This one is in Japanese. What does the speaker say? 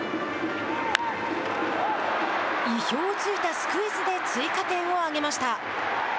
意表をついたスクイズで追加点を挙げました。